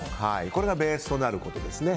これがベースとなることですね。